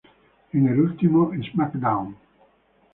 En el último "Smackdown!